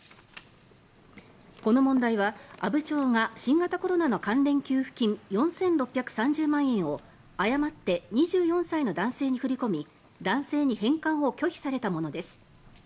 この問題は阿武町が新型コロナの関連給付金４６３０万円を誤って２４歳の男性に振り込み男性に返還を拒否されたものです。